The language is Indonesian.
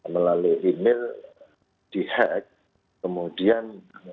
melalui email di hack kemudian